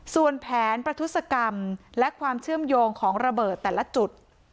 ส่วนแผนประทุศกรรมและความเชื่อมโยงของระเบิดแต่ละจุด